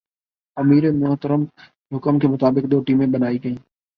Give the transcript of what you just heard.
امیر محترم کے حکم کے مطابق دو ٹیمیں بنائی گئیں ۔